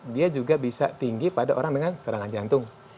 dia juga bisa tinggi pada orang dengan serangan jantung